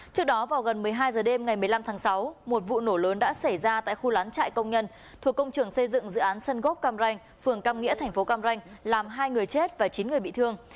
trước đó vào gần một mươi hai h đêm ngày một mươi năm tháng sáu một vụ nổ lớn đã xảy ra tại khu lán trại công nhân thuộc công trường xây dựng dự án sân gốc cam ranh phường cam nghĩa tp cam ranh làm hai người chết và chín người bị thương